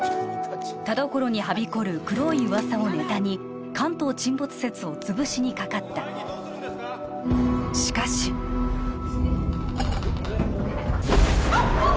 田所にはびこる黒い噂をネタに関東沈没説を潰しにかかったしかし・あっあっ